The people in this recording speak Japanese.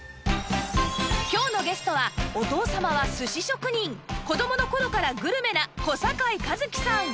今日のゲストはお父様は寿司職人子供の頃からグルメな小堺一機さん